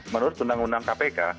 menurut undang undang kpk